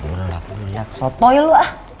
udah aku lihat sotoy lu